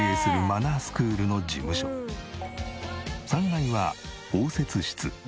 ３階は応接室。